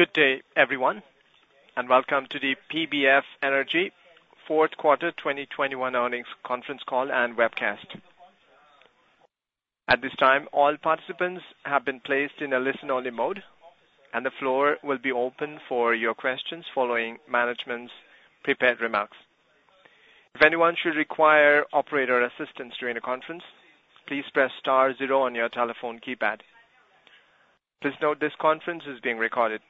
Good day, everyone, and welcome to the PBF Energy Q4 2021 earnings conference call and webcast. At this time, all participants have been placed in a listen-only mode, and the floor will be open for your questions following management's prepared remarks. If anyone should require operator assistance during the conference, please press star zero on your telephone keypad. Please note this conference is being recorded.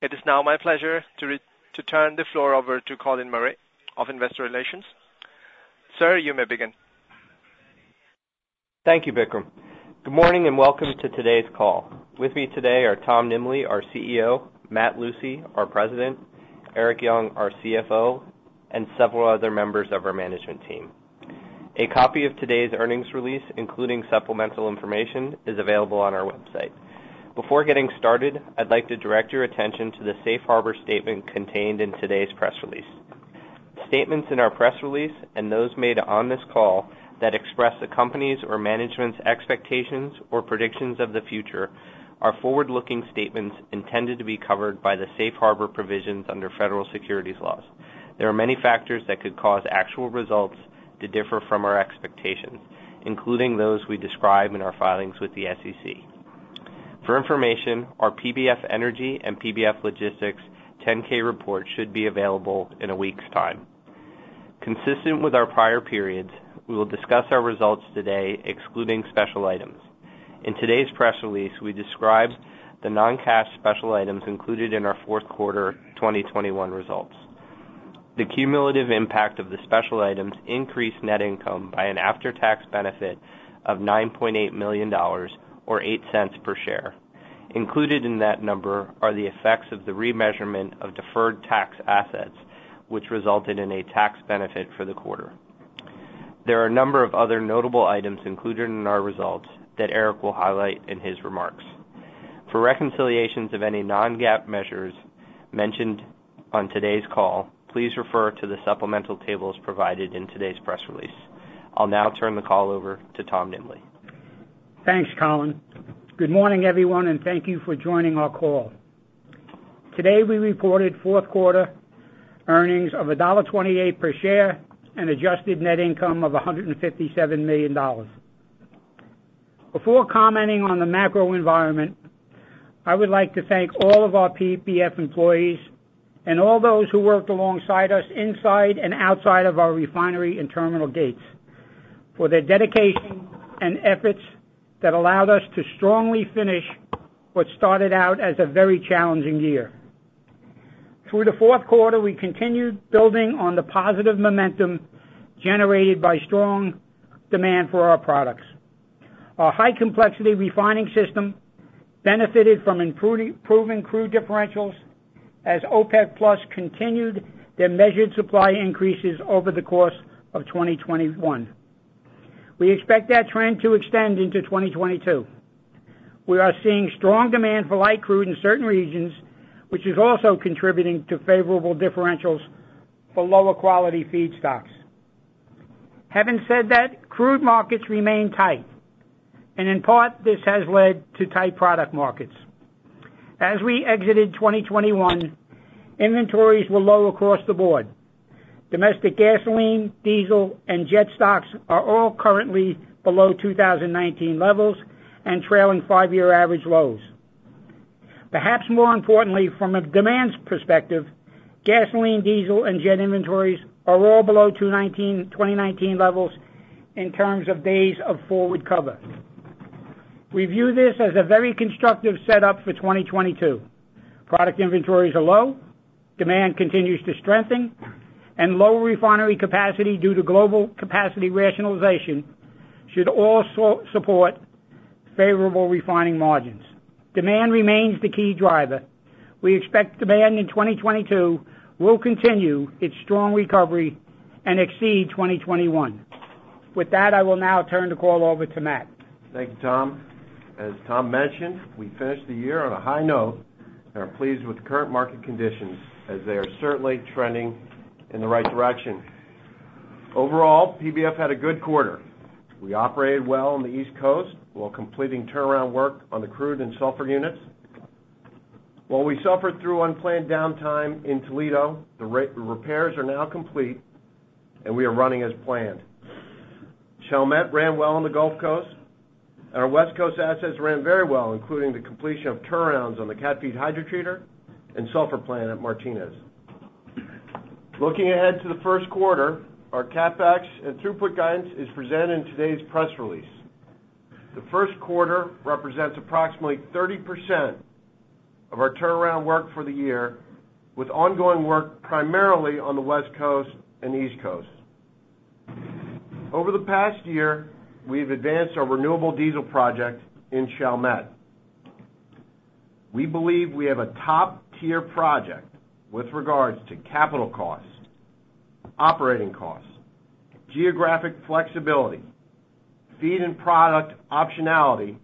It is now my pleasure to turn the floor over to Colin Murray of Investor Relations. Sir, you may begin. Thank you, Vikram. Good morning and welcome to today's call. With me today are Tom Nimbley, our CEO, Matt Lucey, our President, Erik Young, our CFO, and several other members of our management team. A copy of today's earnings release, including supplemental information, is available on our website. Before getting started, I'd like to direct your attention to the safe harbor statement contained in today's press release. Statements in our press release and those made on this call that express the company's or management's expectations or predictions of the future are forward-looking statements intended to be covered by the safe harbor provisions under federal securities laws. There are many factors that could cause actual results to differ from our expectations, including those we describe in our filings with the SEC. For information, our PBF Energy and PBF Logistics 10-K report should be available in a week's time. Consistent with our prior periods, we will discuss our results today excluding special items. In today's press release, we describe the non-cash special items included in our fourth quarter 2021 results. The cumulative impact of the special items increased net income by an after-tax benefit of $9.8 million or $0.08 per share. Included in that number are the effects of the remeasurement of deferred tax assets, which resulted in a tax benefit for the quarter. There are a number of other notable items included in our results that Erik will highlight in his remarks. For reconciliations of any non-GAAP measures mentioned on today's call, please refer to the supplemental tables provided in today's press release. I'll now turn the call over to Tom Nimbley. Thanks, Colin. Good morning, everyone, and thank you for joining our call. Today, we reported fourth quarter earnings of $1.28 per share and adjusted net income of $157 million. Before commenting on the macro environment, I would like to thank all of our PBF employees and all those who worked alongside us inside and outside of our refinery and terminal gates for their dedication and efforts that allowed us to strongly finish what started out as a very challenging year. Through the fourth quarter, we continued building on the positive momentum generated by strong demand for our products. Our high-complexity refining system benefited from improved crude differentials as OPEC+ continued their measured supply increases over the course of 2021. We expect that trend to extend into 2022. We are seeing strong demand for light crude in certain regions, which is also contributing to favorable differentials for lower-quality feedstocks. Having said that, crude markets remain tight, and in part, this has led to tight product markets. As we exited 2021, inventories were low across the board. Domestic gasoline, diesel, and jet stocks are all currently below 2019 levels and trailing five-year average lows. Perhaps more importantly, from a demand perspective, gasoline, diesel, and jet inventories are all below 2019 levels in terms of days of forward cover. We view this as a very constructive setup for 2022. Product inventories are low, demand continues to strengthen, and low refinery capacity due to global capacity rationalization should also support favorable refining margins. Demand remains the key driver. We expect demand in 2022 will continue its strong recovery and exceed 2021. With that, I will now turn the call over to Matt. Thank you, Tom. As Tom mentioned, we finished the year on a high note and are pleased with the current market conditions as they are certainly trending in the right direction. Overall, PBF had a good quarter. We operated well on the East Coast while completing turnaround work on the crude and sulfur units. While we suffered through unplanned downtime in Toledo, the repairs are now complete and we are running as planned. Chalmette ran well on the Gulf Coast, and our West Coast assets ran very well, including the completion of turnarounds on the cat feed hydrotreater and sulfur plant at Martinez. Looking ahead to the first quarter, our CapEx and throughput guidance is presented in today's press release. The first quarter represents approximately 30% of our turnaround work for the year, with ongoing work primarily on the West Coast and East Coasts. Over the past year, we've advanced our renewable diesel project in Chalmette. We believe we have a top-tier project with regards to capital costs, operating costs, geographic flexibility, feed and product optionality,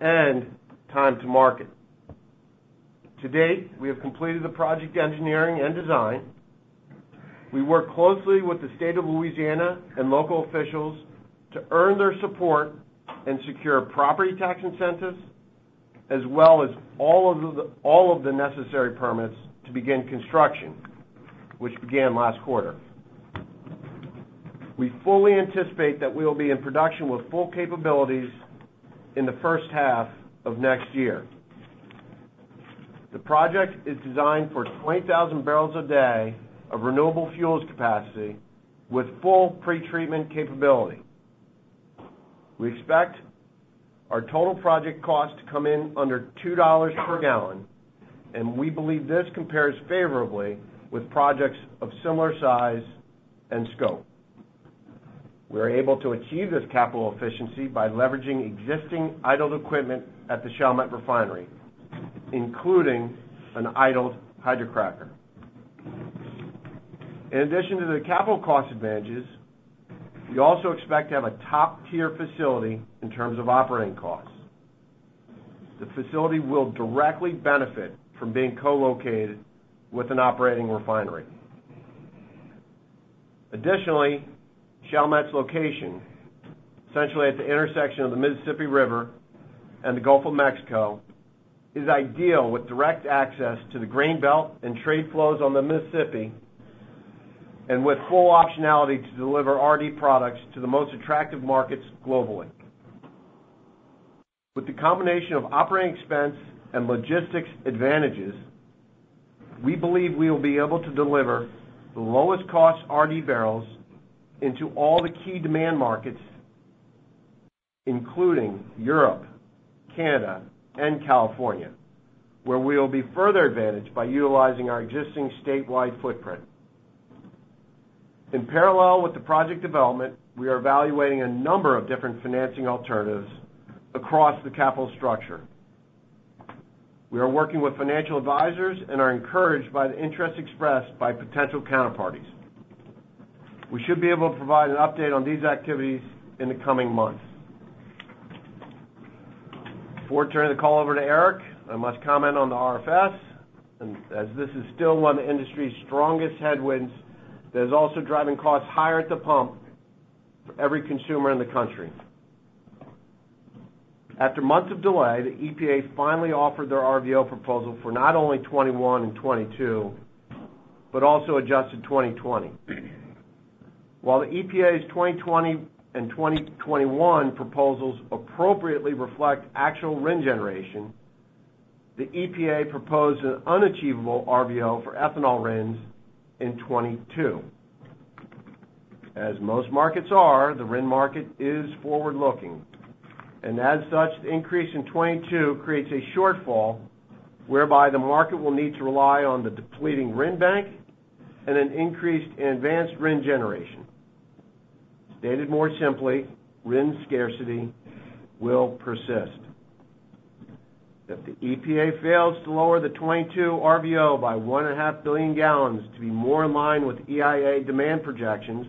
and time to market. To date, we have completed the project engineering and design. We work closely with the state of Louisiana and local officials to earn their support and secure property tax incentives, as well as all of the necessary permits to begin construction, which began last quarter. We fully anticipate that we will be in production with full capabilities in the first half of next year. The project is designed for 20,000 barrels a day of renewable fuels capacity with full pretreatment capability. We expect our total project cost to come in under $2 per gallon, and we believe this compares favorably with projects of similar size and scope. We are able to achieve this capital efficiency by leveraging existing idled equipment at the Chalmette Refinery, including an idled hydrocracker. In addition to the capital cost advantages, we also expect to have a top-tier facility in terms of operating costs. The facility will directly benefit from being co-located with an operating refinery. Additionally, Chalmette's location, essentially at the intersection of the Mississippi River and the Gulf of Mexico, is ideal with direct access to the Grain Belt and trade flows on the Mississippi and with full optionality to deliver RD products to the most attractive markets globally. With the combination of operating expense and logistics advantages, we believe we will be able to deliver the lowest cost RD barrels into all the key demand markets, including Europe, Canada, and California, where we will be further advantaged by utilizing our existing statewide footprint. In parallel with the project development, we are evaluating a number of different financing alternatives across the capital structure. We are working with financial advisors and are encouraged by the interest expressed by potential counterparties. We should be able to provide an update on these activities in the coming months. Before turning the call over to Erik, I must comment on the RFS, and as this is still one of the industry's strongest headwinds that is also driving costs higher at the pump for every consumer in the country. After months of delay, the EPA finally offered their RVO proposal for not only 2021 and 2022, but also adjusted 2020. While the EPA's 2020 and 2021 proposals appropriately reflect actual RIN generation, the EPA proposed an unachievable RVO for ethanol RINs in 2022. As most markets are, the RIN market is forward-looking, and as such, the increase in 2022 creates a shortfall whereby the market will need to rely on the depleting RIN bank and an increased advanced RIN generation. Stated more simply, RIN scarcity will persist. If the EPA fails to lower the 2022 RVO by 1.5 billion gallons to be more in line with EIA demand projections,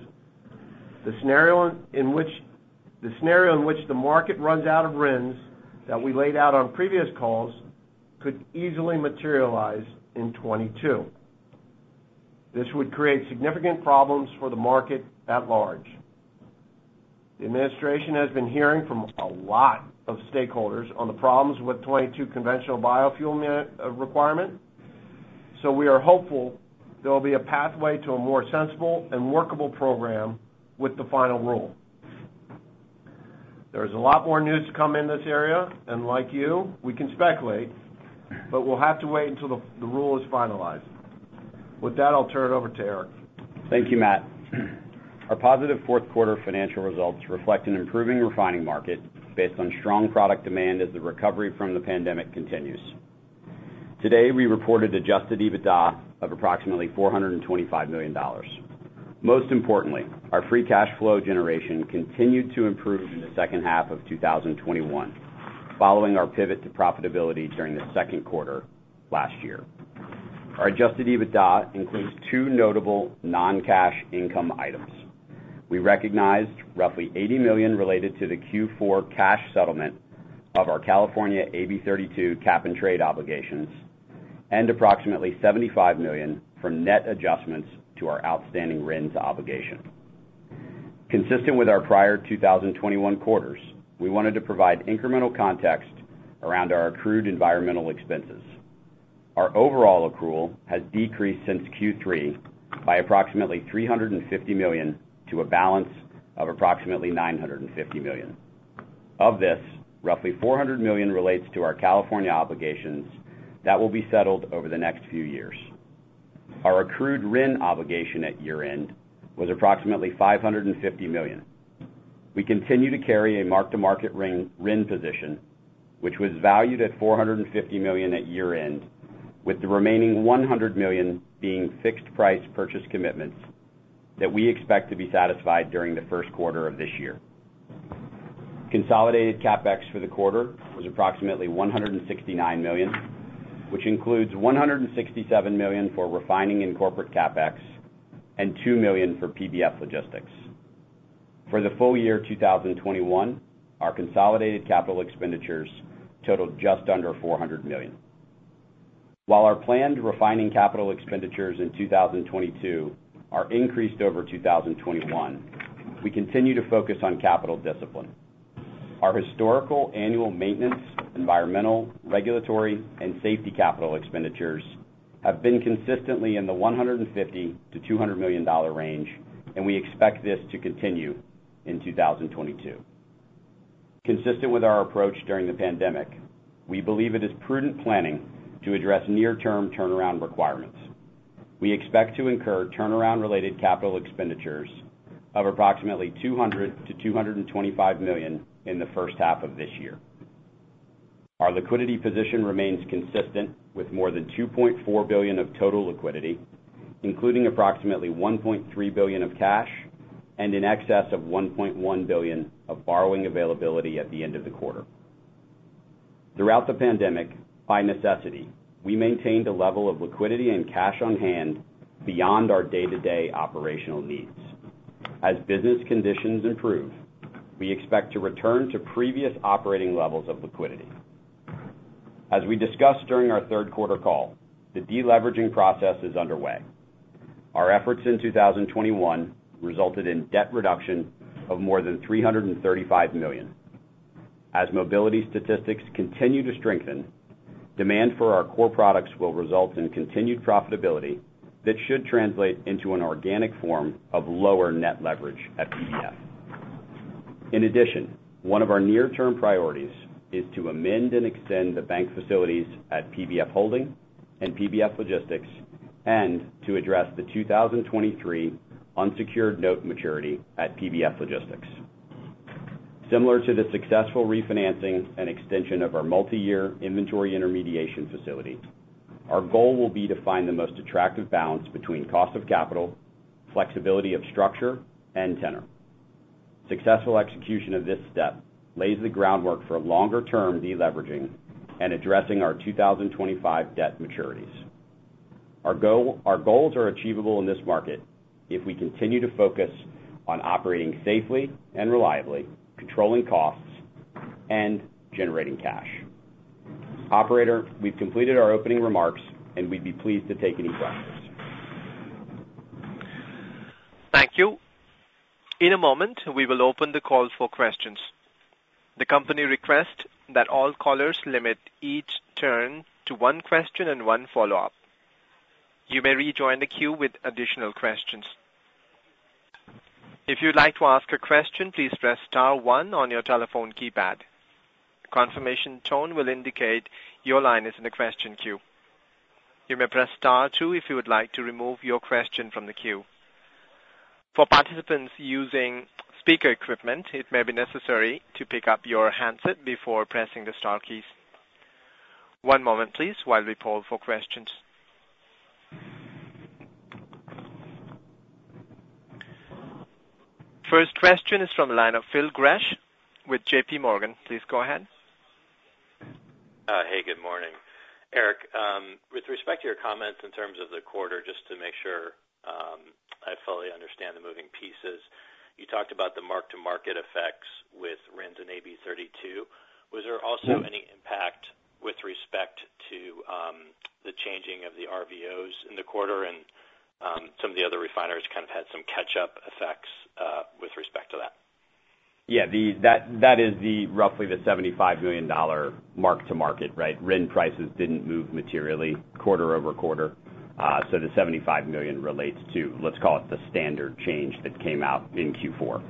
the scenario in which the market runs out of RINs that we laid out on previous calls could easily materialize in 2022. This would create significant problems for the market at large. The administration has been hearing from a lot of stakeholders on the problems with 2022 conventional biofuel requirement, so we are hopeful there will be a pathway to a more sensible and workable program with the final rule. There is a lot more news to come in this area, and like you, we can speculate, but we'll have to wait until the rule is finalized. With that, I'll turn it over to Erik. Thank you, Matt. Our positive fourth quarter financial results reflect an improving refining market based on strong product demand as the recovery from the pandemic continues. Today, we reported adjusted EBITDA of approximately $425 million. Most importantly, our free cash flow generation continued to improve in the second half of 2021, following our pivot to profitability during the second quarter last year. Our adjusted EBITDA includes two notable non-cash income items. We recognized roughly $80 million related to the Q4 cash settlement of our California AB 32 cap-and-trade obligations and approximately $75 million from net adjustments to our outstanding RINs obligation. Consistent with our prior 2021 quarters, we wanted to provide incremental context around our accrued environmental expenses. Our overall accrual has decreased since Q3 by approximately $350 million to a balance of approximately $950 million. Of this, roughly $400 million relates to our California obligations that will be settled over the next few years. Our accrued RIN obligation at year-end was approximately $550 million. We continue to carry a mark-to-market RIN position, which was valued at $450 million at year-end, with the remaining $100 million being fixed price purchase commitments that we expect to be satisfied during the first quarter of this year. Consolidated CapEx for the quarter was approximately $169 million, which includes $167 million for refining and corporate CapEx and $2 million for PBF Logistics. For the full year 2021, our consolidated capital expenditures totaled just under $400 million. While our planned refining capital expenditures in 2022 are increased over 2021, we continue to focus on capital discipline. Our historical annual maintenance, environmental, regulatory, and safety capital expenditures have been consistently in the $150 million-$200 million range, and we expect this to continue in 2022. Consistent with our approach during the pandemic, we believe it is prudent planning to address near-term turnaround requirements. We expect to incur turnaround-related capital expenditures of approximately $200 million-$225 million in the first half of this year. Our liquidity position remains consistent with more than $2.4 billion of total liquidity, including approximately $1.3 billion of cash and in excess of $1.1 billion of borrowing availability at the end of the quarter. Throughout the pandemic, by necessity, we maintained a level of liquidity and cash on hand beyond our day-to-day operational needs. As business conditions improve, we expect to return to previous operating levels of liquidity. As we discussed during our third quarter call, the deleveraging process is underway. Our efforts in 2021 resulted in debt reduction of more than $335 million. As mobility statistics continue to strengthen, demand for our core products will result in continued profitability that should translate into an organic form of lower net leverage at PBF. In addition, one of our near-term priorities is to amend and extend the bank facilities at PBF Holding and PBF Logistics and to address the 2023 unsecured note maturity at PBF Logistics. Similar to the successful refinancing and extension of our multi-year inventory intermediation facility, our goal will be to find the most attractive balance between cost of capital, flexibility of structure, and tenor. Successful execution of this step lays the groundwork for longer-term deleveraging and addressing our 2025 debt maturities. Our goals are achievable in this market if we continue to focus on operating safely and reliably, controlling costs, and generating cash. Operator, we've completed our opening remarks, and we'd be pleased to take any questions. Thank you. In a moment, we will open the call for questions. The company requests that all callers limit each turn to one question and one follow-up. You may rejoin the queue with additional questions. If you'd like to ask a question, please press star one on your telephone keypad. A confirmation tone will indicate your line is in the question queue. You may press star two if you would like to remove your question from the queue. For participants using speaker equipment, it may be necessary to pick up your handset before pressing the star keys. One moment, please, while we poll for questions. First question is from the line of Phil Gresh with J.P. Morgan. Please go ahead. Hey, good morning. Erik, with respect to your comments in terms of the quarter, just to make sure I fully understand the moving pieces, you talked about the mark-to-market effects with RINs and AB 32. Was there also any impact with respect to the changing of the RVOs in the quarter and some of the other refiners kind of had some catch-up effects with respect to that? Yeah. That is roughly the $75 million mark-to-market, right? RIN prices didn't move materially quarter-over-quarter, so the $75 million relates to, let's call it, the standard change that came out in Q4.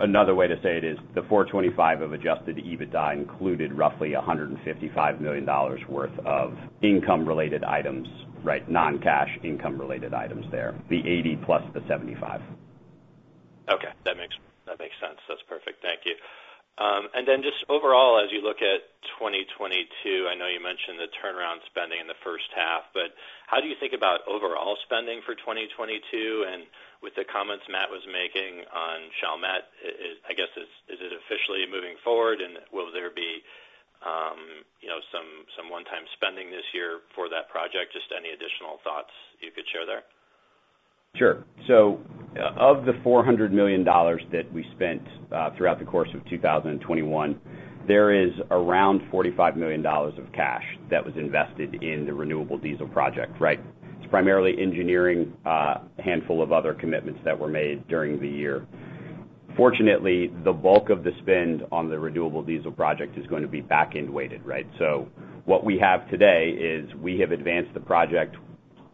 Another way to say it is the 425 of adjusted EBITDA included roughly $155 million worth of income-related items, right? Non-cash income-related items there, the 80 plus the 75. Okay. That makes sense. That's perfect. Thank you. And then just overall, as you look at 2022, I know you mentioned the turnaround spending in the first half, but how do you think about overall spending for 2022? With the comments Matt was making on Chalmette, I guess, is it officially moving forward, and will there be some one-time spending this year for that project? Just any additional thoughts you could share there. Sure. Of the $400 million that we spent throughout the course of 2021, there is around $45 million of cash that was invested in the renewable diesel project, right? It's primarily engineering, a handful of other commitments that were made during the year. Fortunately, the bulk of the spend on the renewable diesel project is going to be back-end weighted, right? What we have today is we have advanced the project.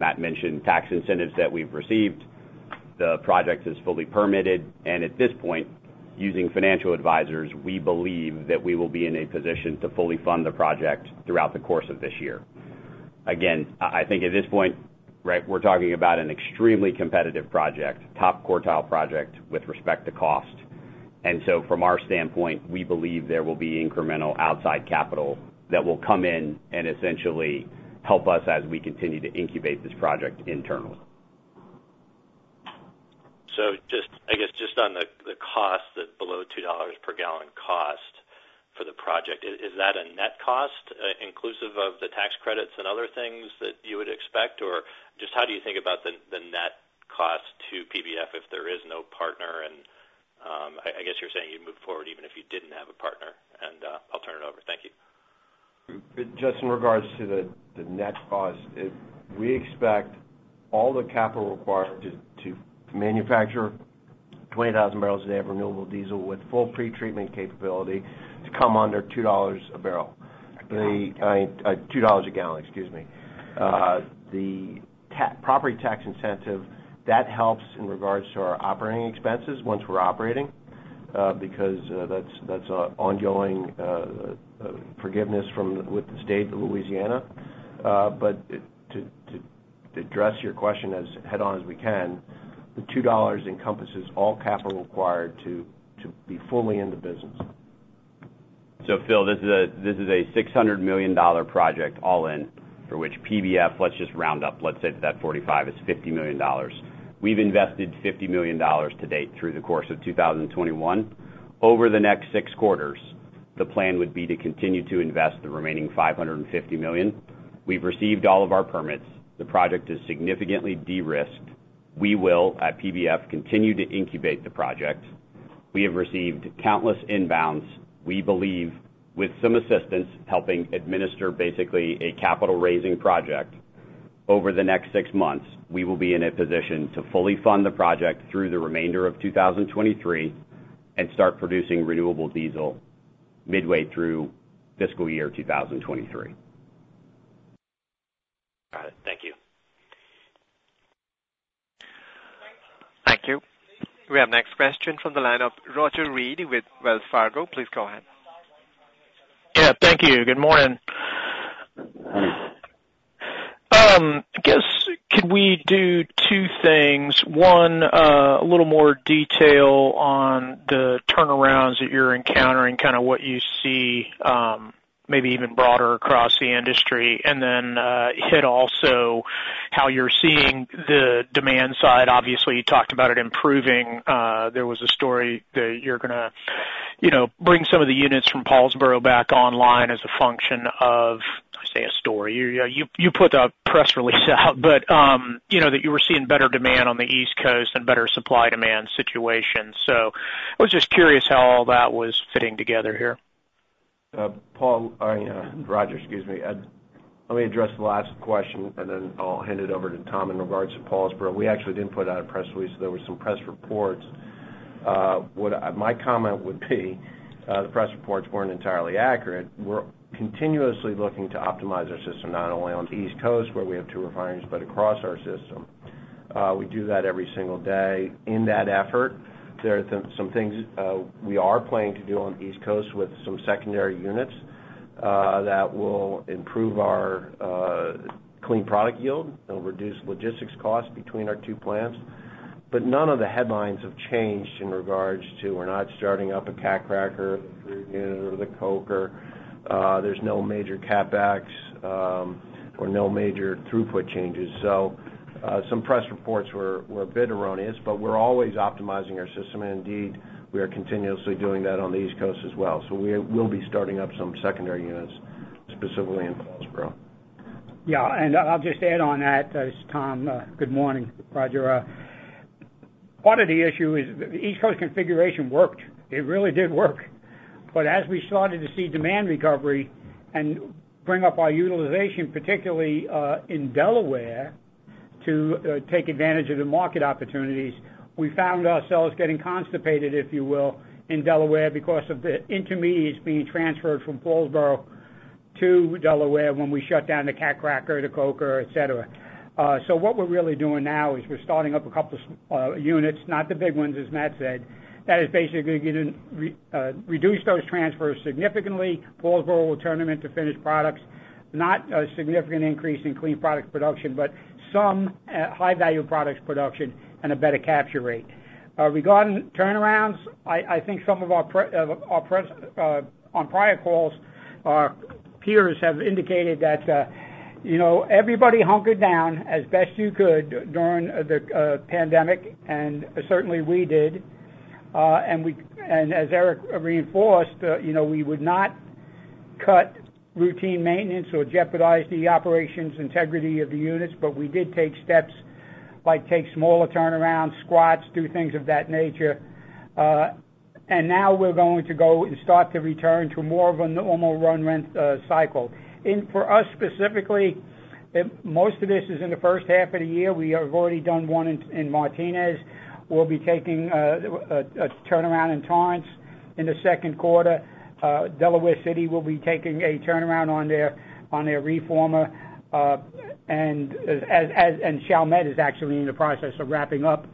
Matt mentioned tax incentives that we've received. The project is fully permitted, and at this point, using financial advisors, we believe that we will be in a position to fully fund the project throughout the course of this year. Again, I think at this point, right, we're talking about an extremely competitive project, top-quartile project with respect to cost. From our standpoint, we believe there will be incremental outside capital that will come in and essentially help us as we continue to incubate this project internally. I guess just on the cost, the below $2 per gallon cost to the project. Is that a net cost, inclusive of the tax credits and other things that you would expect? Or just how do you think about the net cost to PBF if there is no partner, and I guess you're saying you'd move forward even if you didn't have a partner. I'll turn it over. Thank you. Just in regards to the net cost, we expect all the capital required to manufacture 20,000 barrels a day of renewable diesel with full pretreatment capability to come under $2 a barrel. I mean, $2 a gallon, excuse me. The property tax incentive that helps in regards to our operating expenses once we're operating, because that's forgiveness with the state of Louisiana. But to address your question as head-on as we can, the $2 encompasses all capital required to be fully in the business. Phil, this is a $600 million project all in, for which PBF, let's just round up, let's say that 45 is $50 million. We've invested $50 million to date through the course of 2021. Over the next six quarters, the plan would be to continue to invest the remaining $550 million. We've received all of our permits. The project is significantly de-risked. We will, at PBF, continue to incubate the project. We have received countless inbounds. We believe with some assistance, helping administer basically a capital raising project over the next six months, we will be in a position to fully fund the project through the remainder of 2023 and start producing renewable diesel midway through fiscal year 2023. Got it. Thank you. Thank you. We have next question from the line of Roger Read with Wells Fargo. Please go ahead. Yeah, thank you. Good morning. I guess could we do two things? One, a little more detail on the turnarounds that you're encountering, kind of what you see, maybe even broader across the industry. Then, hit also how you're seeing the demand side. Obviously, you talked about it improving. There was a story that you're gonna bring some of the units from Paulsboro back online as a function of. I say a story. You put the press release out that you were seeing better demand on the East Coast and better supply-demand situation. I was just curious how all that was fitting together here. Roger, excuse me. Let me address the last question, and then I'll hand it over to Tom in regards to Paulsboro. We actually didn't put out a press release, so there were some press reports. My comment would be, the press reports weren't entirely accurate. We're continuously looking to optimize our system, not only on the East Coast, where we have two refineries, but across our system. We do that every single day. In that effort, there are some things we are planning to do on the East Coast with some secondary units that will improve our clean product yield. It'll reduce logistics costs between our two plants. None of the headlines have changed in regards to we're not starting up a cat cracker or the coker. There's no major CapEx, or no major throughput changes. Some press reports were a bit erroneous, but we're always optimizing our system. Indeed, we are continuously doing that on the East Coast as well. We will be starting up some secondary units, specifically in Paulsboro. Yeah, I'll just add on that. It's Tom. Good morning, Roger. Part of the issue is the East Coast configuration worked. It really did work. As we started to see demand recovery and bring up our utilization, particularly in Delaware, to take advantage of the market opportunities, we found ourselves getting constipated, if you will, in Delaware because of the intermediates being transferred from Paulsboro to Delaware when we shut down the cat cracker, the coker, et cetera. What we're really doing now is we're starting up a couple units, not the big ones, as Matt said. That is basically gonna reduce those transfers significantly. Paulsboro will turn them into finished products. Not a significant increase in clean products production, but some high-value products production and a better capture rate. Regarding turnarounds, I think on prior calls our peers have indicated that everybody hunkered down as best they could during the pandemic, and certainly we did. As Erik reinforced, we would not cut routine maintenance or jeopardize the operational integrity of the units, but we did take steps like take smaller turnaround scopes, do things of that nature. Now we're going to go and start to return to more of a normal run-length cycle. For us specifically, most of this is in the first half of the year. We have already done one in Martinez. We'll be taking a turnaround in Torrance in the second quarter. Delaware City will be taking a turnaround on their reformer. Chalmette is actually in the process of wrapping up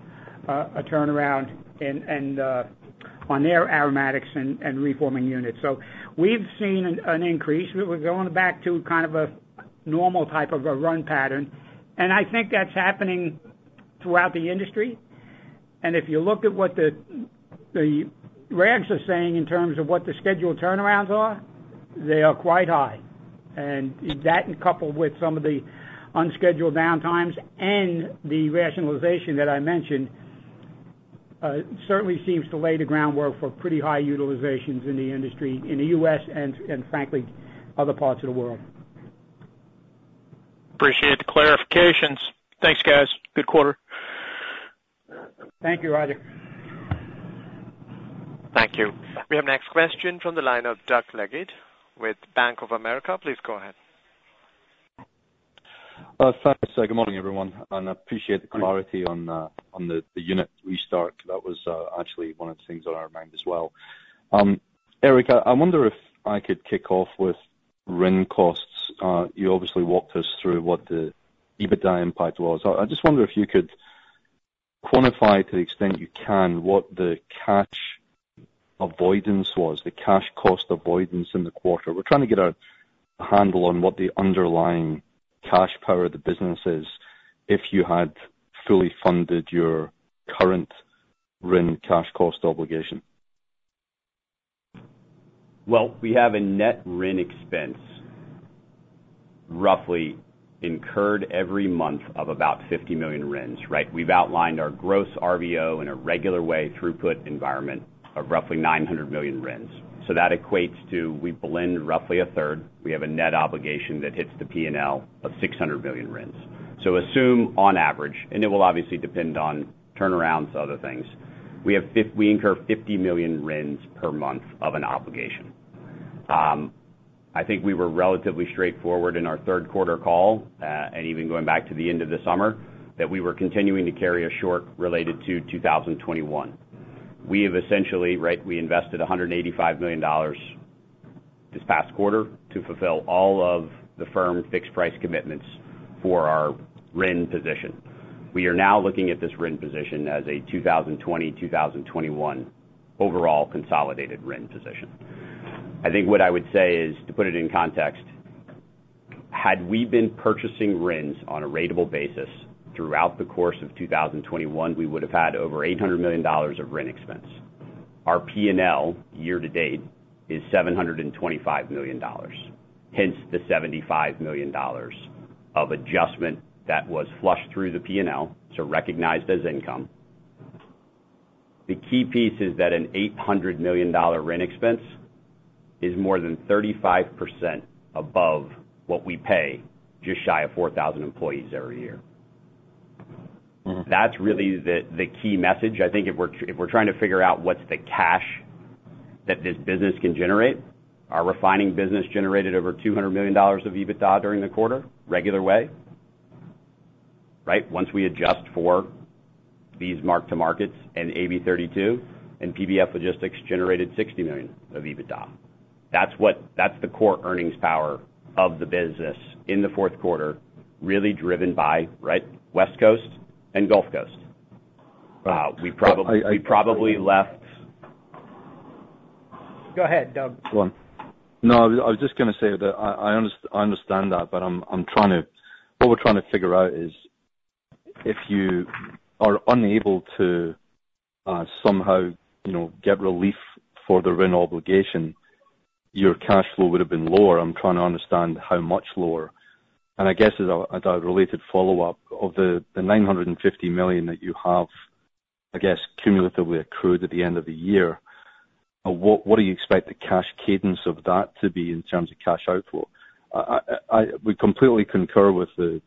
a turnaround and on their aromatics and reforming units. We've seen an increase. We're going back to kind of a normal type of a run pattern, and I think that's happening throughout the industry. If you look at what the rags are saying in terms of what the scheduled turnarounds are, they are quite high. That coupled with some of the unscheduled downtimes and the rationalization that I mentioned certainly seems to lay the groundwork for pretty high utilizations in the industry, in the U.S. and frankly, other parts of the world. Appreciate the clarifications. Thanks, guys. Good quarter. Thank you, Roger. Thank you. We have next question from the line of Doug Leggate with Bank of America. Please go ahead. Thanks. Good morning, everyone, and I appreciate the clarity on the unit restart. That was actually one of the things on our mind as well. Erik, I wonder if I could kick off with RIN costs. You obviously walked us through what the EBITDA impact was. I just wonder if you could quantify, to the extent you can, what the cash avoidance was, the cash cost avoidance in the quarter. We're trying to get a handle on what the underlying cash power of the business is if you had fully funded your current RIN cash cost obligation. Well, we have a net RIN expense roughly incurred every month of about 50 million RINs, right? We've outlined our gross RVO in a regular throughput environment of roughly 900 million RINs. That equates to we blend roughly a third. We have a net obligation that hits the P&L of 600 million RINs. Assume on average, and it will obviously depend on turnarounds, other things, we incur 50 million RINs per month of an obligation. I think we were relatively straightforward in our third quarter call, and even going back to the end of the summer, that we were continuing to carry a short related to 2021. We have essentially, right, we invested $185 million this past quarter to fulfill all of the firm fixed price commitments for our RIN position. We are now looking at this RIN position as a 2020, 2021 overall consolidated RIN position. I think what I would say is, to put it in context, had we been purchasing RINs on a ratable basis throughout the course of 2021, we would have had over $800 million of RIN expense. Our P&L year to date is $725 million, hence the $75 million of adjustment that was flushed through the P&L, so recognized as income. The key piece is that an $800 million RIN expense is more than 35% above what we pay just shy of 4,000 employees every year. Mm-hmm. That's really the key message. I think if we're trying to figure out what's the cash that this business can generate, our refining business generated over $200 million of EBITDA during the quarter, regular way. Right? Once we adjust for these mark-to-markets and AB 32, and PBF Logistics generated $60 million of EBITDA. That's what that's the core earnings power of the business in the fourth quarter, really driven by, right, West Coast and Gulf Coast. We prob- I- We probably left. Go ahead, Doug. Go on. No, I was just gonna say that I understand that, but I'm trying to. What we're trying to figure out is if you are unable to, somehow, get relief for the RIN obligation, your cash flow would have been lower. I'm trying to understand how much lower. I guess as a related follow-up, of the $950 million that you have, I guess, cumulatively accrued at the end of the year, what do you expect the cash cadence of that to be in terms of cash outflow? We completely concur with the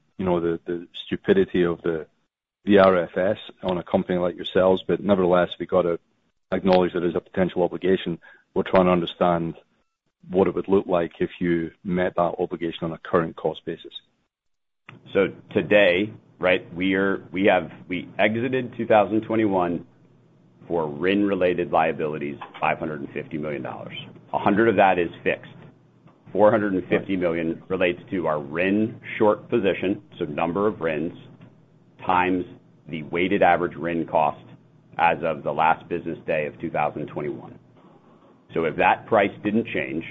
stupidity of the RFS on a company like yourselves, but nevertheless, we've got to acknowledge that there's a potential obligation. We're trying to understand what it would look like if you met that obligation on a current cost basis. Today, right, we exited 2021 for RIN-related liabilities, $550 million. $100 of that is fixed. $450 million relates to our RIN short position, number of RINs times the weighted average RIN cost as of the last business day of 2021. If that price didn't change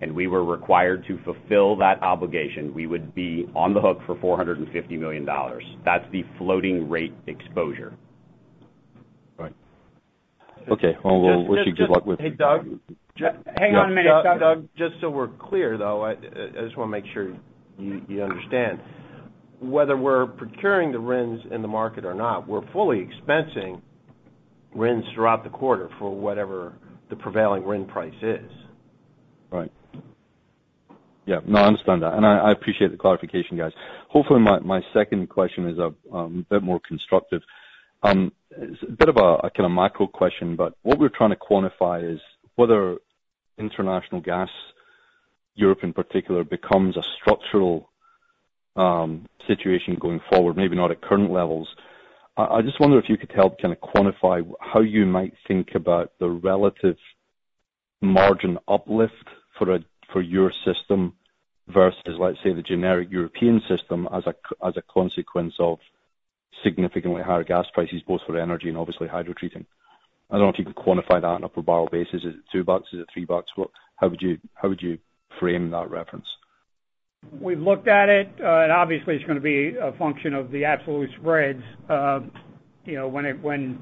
and we were required to fulfill that obligation, we would be on the hook for $450 million. That's the floating rate exposure. Right. Okay. Well, wish you good luck with. Just, just- Hey, Doug? Hang on a minute, Doug. Doug, just so we're clear, though, I just wanna make sure you understand. Whether we're procuring the RINs in the market or not, we're fully expensing RINs throughout the quarter for whatever the prevailing RIN price is. Right. Yeah, no, I understand that, and I appreciate the clarification, guys. Hopefully, my second question is a bit more constructive. It's a bit of a kinda macro question, but what we're trying to quantify is whether international gas, Europe in particular, becomes a structural situation going forward, maybe not at current levels. I just wonder if you could help kinda quantify how you might think about the relative margin uplift for your system versus, let's say, the generic European system as a consequence of significantly higher gas prices, both for energy and obviously hydrotreating. I don't know if you can quantify that on a per barrel basis. Is it $2? Is it $3? How would you frame that reference? We've looked at it, and obviously it's gonna be a function of the absolute spreads. When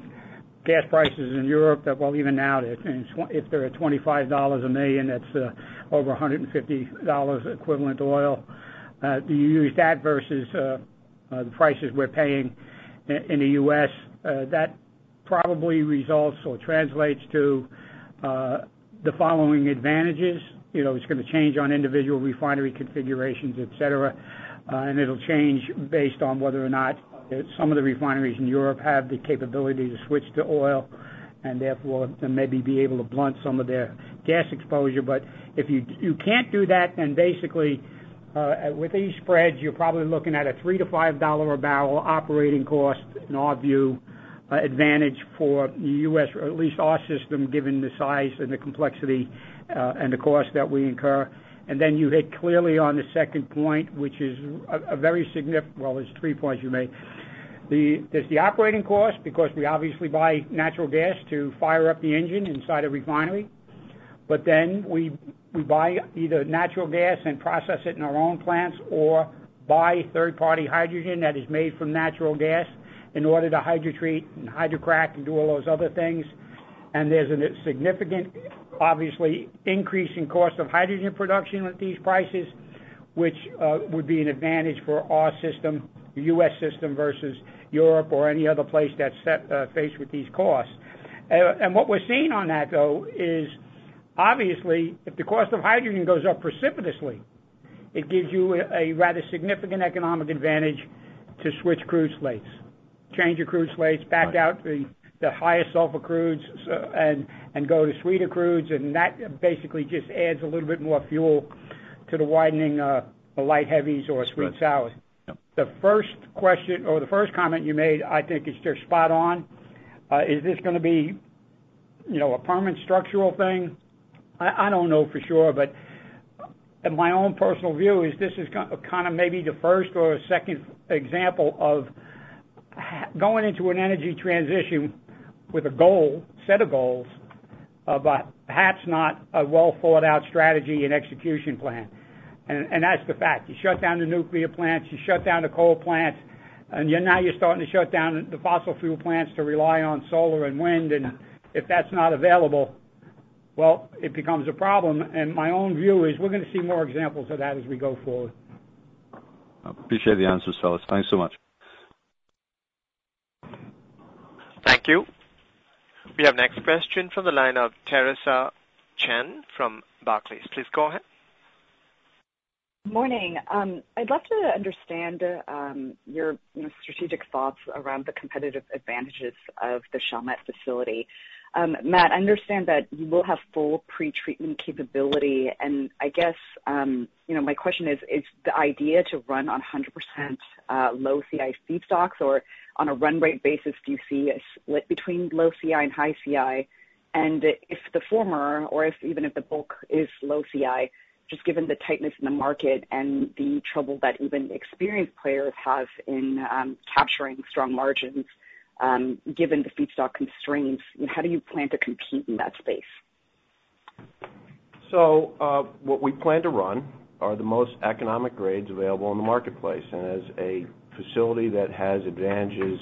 gas prices in Europe, well, even now if they're at $25 a million, that's over $150 equivalent oil. You use that versus the prices we're paying in the U.S. That probably results or translates to the following advantages. It's gonna change on individual refinery configurations, et cetera. It'll change based on whether or not some of the refineries in Europe have the capability to switch to oil, and therefore maybe be able to blunt some of their gas exposure. If you can't do that, then basically, with these spreads, you're probably looking at a $3-$5 a barrel operating cost, in our view, advantage for U.S. or at least our system, given the size and the complexity, and the cost that we incur. You hit clearly on the second point. Well, there's 3 points you made. There's the operating cost because we obviously buy natural gas to fire up the engine inside a refinery. We buy either natural gas and process it in our own plants or buy third-party hydrogen that is made from natural gas in order to hydrotreat and hydrocrack and do all those other things. There's a significant, obviously, increase in cost of hydrogen production with these prices, which would be an advantage for our system, the U.S. system, versus Europe or any other place that's set to face these costs. What we're seeing on that, though, is obviously, if the cost of hydrogen goes up precipitously, it gives you a rather significant economic advantage to switch crude slates, change your crude slates- Right. back out the higher sulfur crudes and go to sweeter crudes, and that basically just adds a little bit more fuel to the widening light heavies or sweet sours. Right. Yep. The first question or the first comment you made, I think is just spot on. Is this gonna be a permanent structural thing? I don't know for sure, but my own personal view is this is kind of maybe the first or second example of going into an energy transition with a goal, set of goals, but perhaps not a well-thought-out strategy and execution plan. That's the fact. You shut down the nuclear plants, you shut down the coal plants, and now you're starting to shut down the fossil fuel plants to rely on solar and wind. If that's not available, well, it becomes a problem. My own view is we're gonna see more examples of that as we go forward. Appreciate the answers, fellas. Thanks so much. Thank you. We have next question from the line of Theresa Chen from Barclays. Please go ahead. Morning. I'd love to understand your strategic thoughts around the competitive advantages of the Chalmette facility. Matt, I understand that you will have full pretreatment capability, and I guess, my question is the idea to run on 100% low CI feedstocks? Or on a run rate basis, do you see a split between low CI and high CI? If the former or if even if the bulk is low CI, just given the tightness in the market and the trouble that even experienced players have in capturing strong margins, given the feedstock constraints, how do you plan to compete in that space? What we plan to run are the most economic grades available in the marketplace. As a facility that has advantages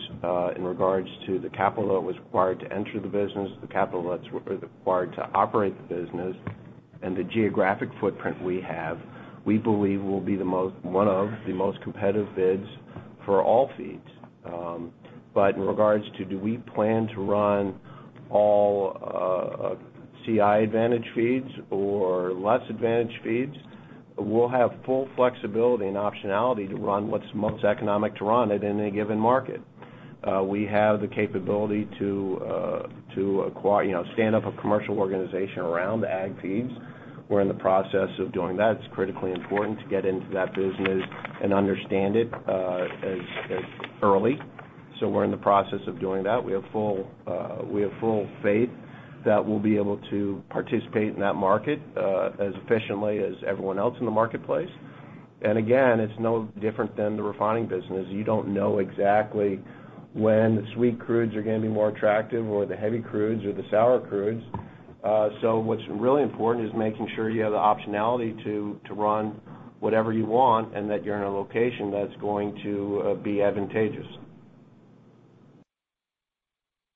in regards to the capital that was required to enter the business, the capital that's required to operate the business, and the geographic footprint we have, we believe we'll be one of the most competitive bids for all feeds. In regards to do we plan to run all CI advantage feeds or less advantage feeds, we'll have full flexibility and optionality to run what's most economic to run at any given market. We have the capability to acquire, you know, stand up a commercial organization around ag feeds. We're in the process of doing that. It's critically important to get into that business and understand it as early. We're in the process of doing that. We have full faith that we'll be able to participate in that market as efficiently as everyone else in the marketplace. Again, it's no different than the refining business. You don't know exactly when the sweet crudes are gonna be more attractive or the heavy crudes or the sour crudes. What's really important is making sure you have the optionality to run whatever you want and that you're in a location that's going to be advantageous.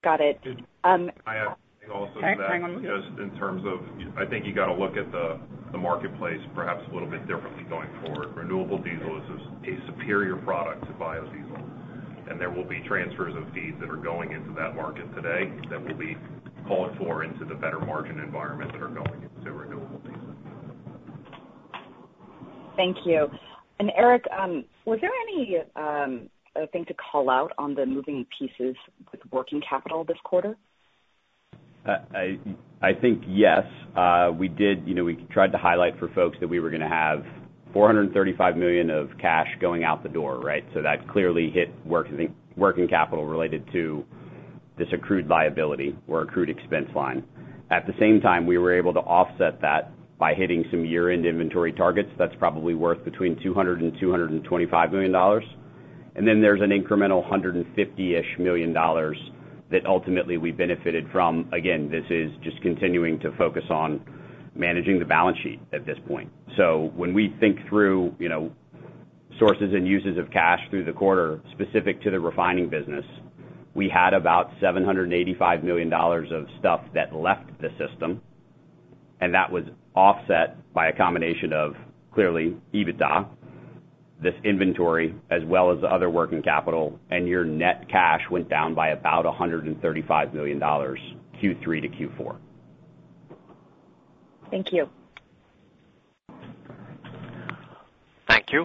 Got it. Can I add something also to that? Sorry, hang on one second. Just in terms of I think you got to look at the marketplace perhaps a little bit differently going forward. Renewable diesel is a superior product to biodiesel, and there will be transfers of feeds that are going into that market today that will be called for into the better margin environment that are going into renewable diesel. Thank you. Erik, was there any, I think, to call out on the moving pieces with working capital this quarter? I think, yes. We did. You know, we tried to highlight for folks that we were gonna have $435 million of cash going out the door, right? That clearly hit working capital related to this accrued liability or accrued expense line. At the same time, we were able to offset that by hitting some year-end inventory targets that's probably worth between $200 million and $225 million. Then there's an incremental $150-ish million that ultimately we benefited from. Again, this is just continuing to focus on managing the balance sheet at this point. When we think through sources and uses of cash through the quarter specific to the refining business. We had about $785 million of stuff that left the system, and that was offset by a combination of, clearly, EBITDA, this inventory, as well as the other working capital, and your net cash went down by about $135 million, Q3 to Q4. Thank you. Thank you.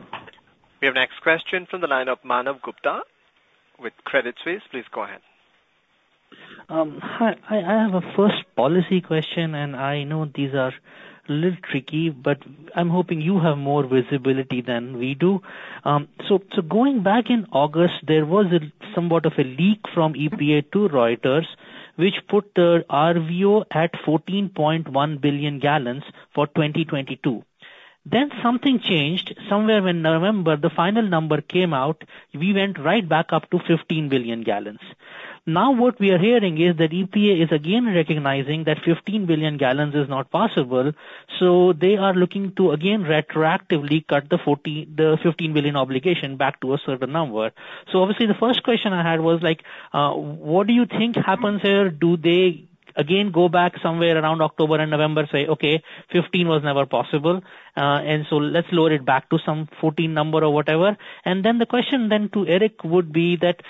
We have next question from the line of Manav Gupta with Credit Suisse. Please go ahead. Hi. I have a first policy question, and I know these are a little tricky, but I'm hoping you have more visibility than we do. Going back in August, there was somewhat of a leak from EPA to Reuters, which put the RVO at 14.1 billion gallons for 2022. Then something changed somewhere in November, the final number came out, we went right back up to 15 billion gallons. Now, what we are hearing is that EPA is again recognizing that 15 billion gallons is not possible, so they are looking to again retroactively cut the 15 billion obligation back to a certain number. Obviously, the first question I had was, what do you think happens here? Do they again go back somewhere around October and November say, "Okay, 15 was never possible, and so let's lower it back to some 14 number or whatever." Then the question then to Erik would be that,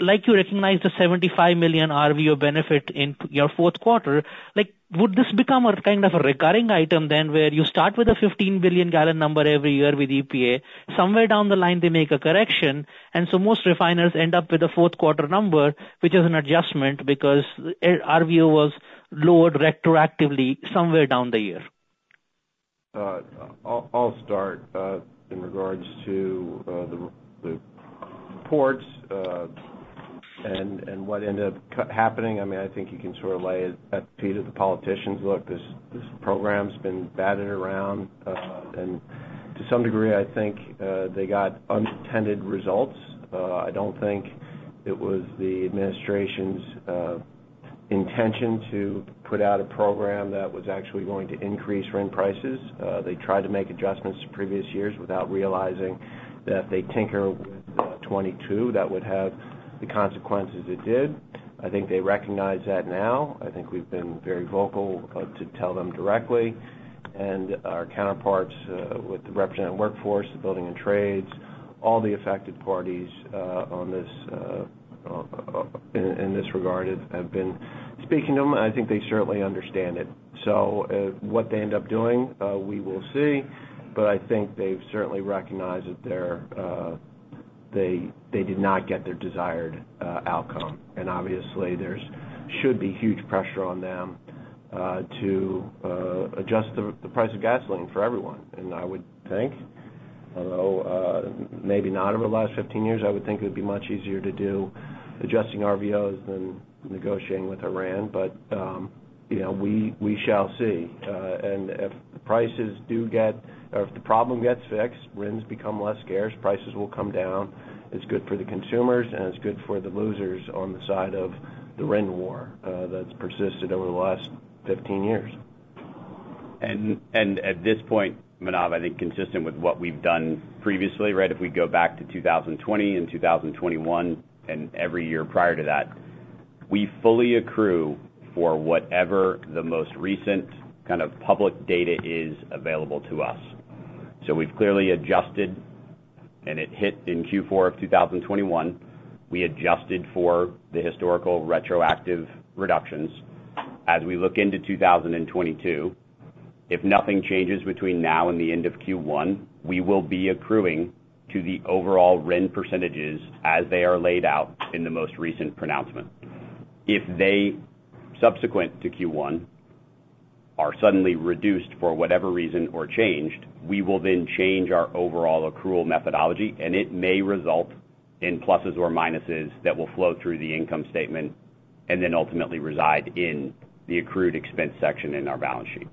like you recognized the $75 million RVO benefit in your fourth quarter, like, would this become a kind of a recurring item then where you start with a 15 billion gallon number every year with EPA, somewhere down the line they make a correction, and so most refiners end up with a fourth quarter number, which is an adjustment because, RVO was lowered retroactively somewhere down the year. I'll start in regards to the reports and what ended up happening. I mean, I think you can sort of lay it at the feet of the politicians. Look, this program's been batted around and to some degree, I think they got unintended results. I don't think it was the administration's intention to put out a program that was actually going to increase RIN prices. They tried to make adjustments to previous years without realizing that if they tinker with 2022, that would have the consequences it did. I think they recognize that now. I think we've been very vocal to tell them directly. Our counterparts with the represented workforce, the building and trades, all the affected parties on this in this regard have been speaking to them, and I think they certainly understand it. What they end up doing we will see, but I think they've certainly recognized that they did not get their desired outcome. Obviously, there should be huge pressure on them to adjust the price of gasoline for everyone. I would think, although maybe not over the last 15 years, I would think it would be much easier to do adjusting RVOs than negotiating with Iran. You know, we shall see. If the prices do get or if the problem gets fixed, RINs become less scarce, prices will come down. It's good for the consumers, and it's good for the losers on the side of the RIN war, that's persisted over the last 15 years. At this point, Manav, I think consistent with what we've done previously, right? If we go back to 2020 and 2021, and every year prior to that, we fully accrue for whatever the most recent kind of public data is available to us. We've clearly adjusted, and it hit in Q4 of 2021. We adjusted for the historical retroactive reductions. As we look into 2022, if nothing changes between now and the end of Q1, we will be accruing to the overall RIN percentages as they are laid out in the most recent pronouncement. If they, subsequent to Q1, are suddenly reduced for whatever reason or changed, we will then change our overall accrual methodology, and it may result in pluses or minuses that will flow through the income statement and then ultimately reside in the accrued expense section in our balance sheet.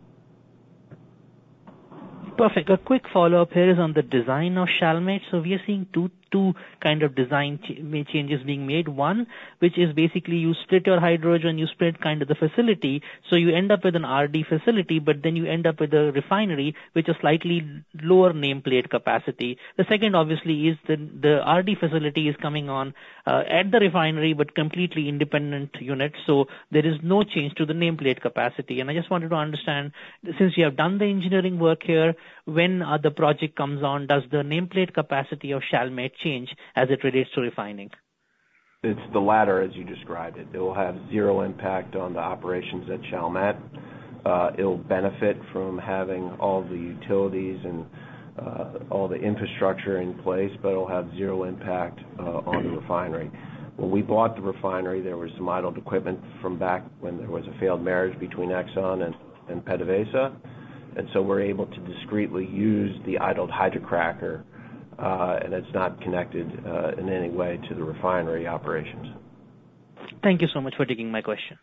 Perfect. A quick follow-up here is on the design of Chalmette. We are seeing two kind of design changes being made. One, which is basically you split your hydrogen, you split kind of the facility, so you end up with an RD facility, but then you end up with a refinery, which is slightly lower nameplate capacity. The second obviously is the RD facility is coming on at the refinery, but completely independent unit, so there is no change to the nameplate capacity. I just wanted to understand, since you have done the engineering work here, when the project comes on, does the nameplate capacity of Chalmette change as it relates to refining? It's the latter, as you described it. It will have zero impact on the operations at Chalmette. It'll benefit from having all the utilities and all the infrastructure in place, but it'll have zero impact on the refinery. When we bought the refinery, there was some idled equipment from back when there was a failed marriage between Exxon and PDVSA, and so we're able to discreetly use the idled hydrocracker, and it's not connected in any way to the refinery operations. Thank you so much for taking my question.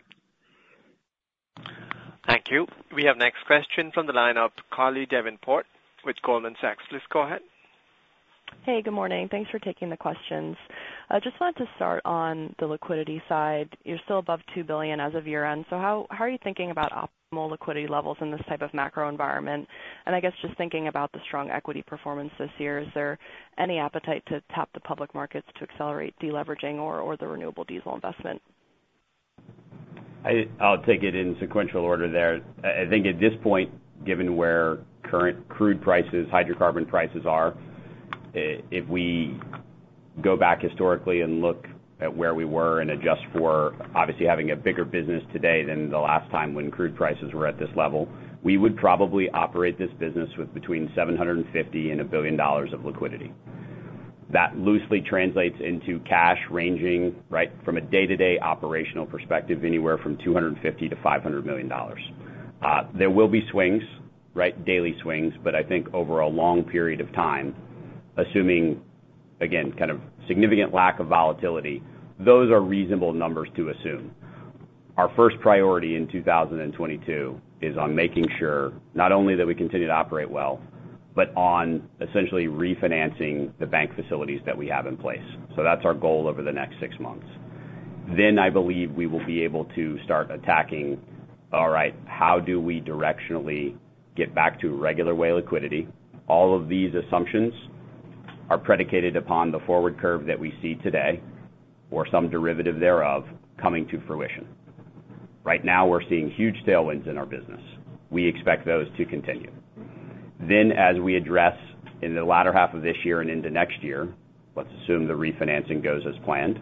Thank you. We have next question from the line of Carly Davenport with Goldman Sachs. Please go ahead. Hey, good morning. Thanks for taking the questions. I just wanted to start on the liquidity side. You're still above $2 billion as of year-end. How are you thinking about optimal liquidity levels in this type of macro environment? And I guess just thinking about the strong equity performance this year, is there any appetite to tap the public markets to accelerate deleveraging or the renewable diesel investment? I'll take it in sequential order there. I think at this point, given where current crude prices, hydrocarbon prices are, if we go back historically and look at where we were and adjust for obviously having a bigger business today than the last time when crude prices were at this level, we would probably operate this business with between $750 million and $1 billion of liquidity. That loosely translates into cash ranging, right? From a day-to-day operational perspective, anywhere from $250 million to $500 million. There will be swings, right? Daily swings, but I think over a long period of time, assuming, again, kind of significant lack of volatility, those are reasonable numbers to assume. Our first priority in 2022 is on making sure not only that we continue to operate well, but on essentially refinancing the bank facilities that we have in place. That's our goal over the next six months. I believe we will be able to start attacking, all right, how do we directionally get back to regular way liquidity? All of these assumptions are predicated upon the forward curve that we see today or some derivative thereof coming to fruition. Right now, we're seeing huge tailwinds in our business. We expect those to continue. As we address in the latter half of this year and into next year, let's assume the refinancing goes as planned,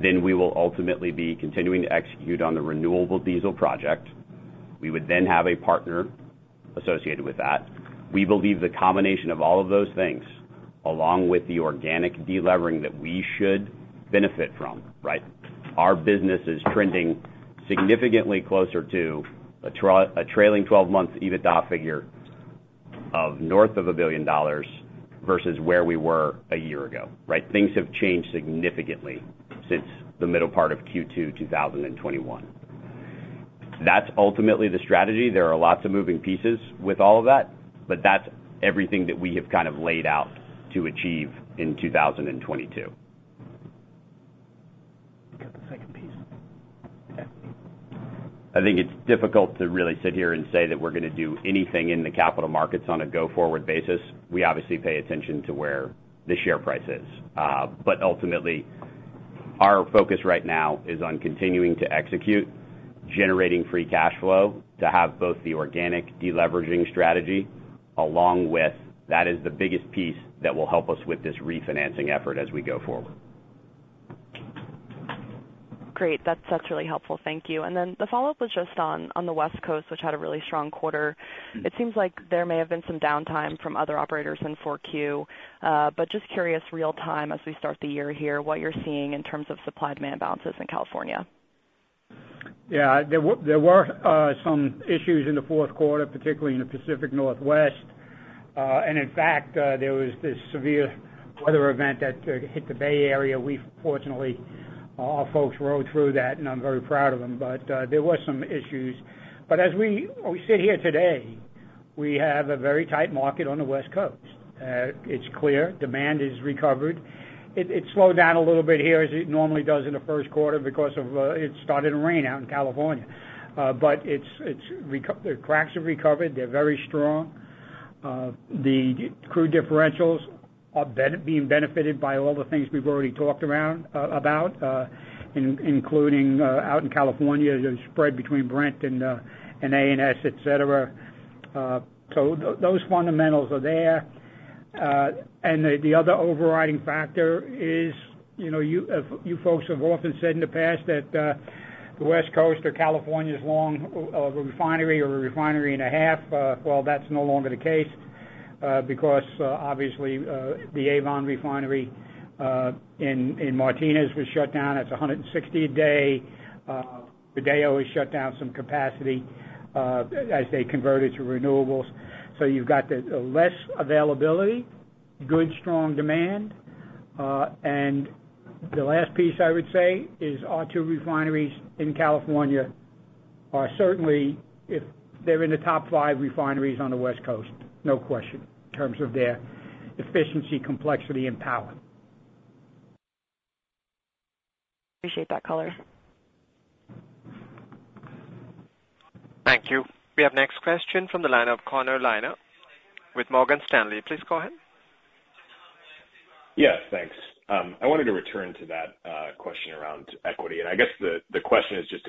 then we will ultimately be continuing to execute on the renewable diesel project. We would then have a partner associated with that. We believe the combination of all of those things, along with the organic de-levering that we should benefit from, right? Our business is trending significantly closer to a trailing 12 month EBITDA figure of north of $1 billion versus where we were a year ago, right? Things have changed significantly since the middle part of Q2 2021. That's ultimately the strategy. There are lots of moving pieces with all of that, but that's everything that we have kind of laid out to achieve in 2022. Yeah. I think it's difficult to really sit here and say that we're gonna do anything in the capital markets on a go-forward basis. We obviously pay attention to where the share price is. Ultimately, our focus right now is on continuing to execute, generating free cash flow to have both the organic deleveraging strategy along with that is the biggest piece that will help us with this refinancing effort as we go forward. Great. That's really helpful. Thank you. Then the follow-up was just on the West Coast, which had a really strong quarter. It seems like there may have been some downtime from other operators in 4Q. But just curious real time as we start the year here, what you're seeing in terms of supply and demand balances in California. Yeah. There were some issues in the fourth quarter, particularly in the Pacific Northwest. In fact, there was this severe weather event that hit the Bay Area. Fortunately, our folks rode through that, and I'm very proud of them. There was some issues. As we sit here today, we have a very tight market on the West Coast. It's clear demand is recovered. It slowed down a little bit here as it normally does in the first quarter because it started to rain out in California. It's recovered. The cracks have recovered. They're very strong. The crude differentials are being benefited by all the things we've already talked about, including out in California, the spread between Brent and ANS, et cetera. Those fundamentals are there. The other overriding factor is, you folks have often said in the past that the West Coast or California's long of a refinery or a refinery and a half. Well, that's no longer the case because obviously the Avon Refinery in Martinez was shut down. That's 160 a day. The day always shut down some capacity as they converted to renewables. You've got the less availability, good strong demand, and the last piece I would say is our two refineries in California are certainly if they're in the top five refineries on the West Coast, no question, in terms of their efficiency, complexity and power. Appreciate that color. Thank you. We have next question from the line of Connor Lynagh with Morgan Stanley. Please go ahead. Yeah, thanks. I wanted to return to that question around equity. I guess the question is just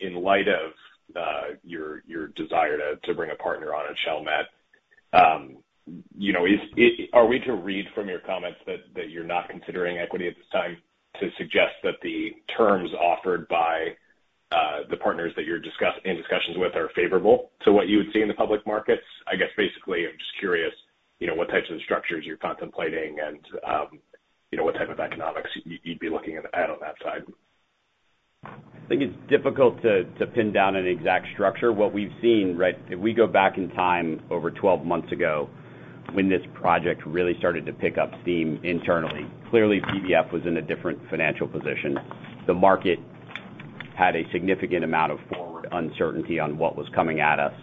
in light of your desire to bring a partner on at Chalmette. Are we to read from your comments that you're not considering equity at this time to suggest that the terms offered by the partners that you're in discussions with are favorable to what you would see in the public markets? I guess, basically, I'm just curious, what types of structures you're contemplating and what type of economics you'd be looking at on that side. I think it's difficult to pin down an exact structure. What we've seen, right? If we go back in time over 12 months ago when this project really started to pick up steam internally. Clearly, PBF was in a different financial position. The market had a significant amount of forward uncertainty on what was coming at us.